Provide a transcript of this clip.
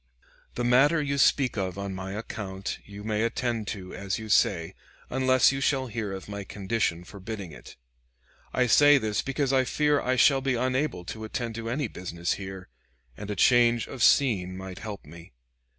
The matter you speak of on my account you may attend to as you say, unless you shall hear of my condition forbidding it. I say this because I fear I shall be unable to attend to any business here, and a change of scene might help me.